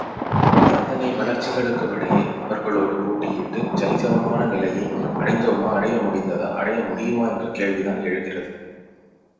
இத்தனை வளர்ச்சிகளுக்குமிடையே அவர்களோடு போட்டியிட்டுச் சரிசமமான நிலையை அடைந்தோமா அடைய முடிந்ததா அடைய முடியுமா என்ற கேள்விதான் எழுகிறது.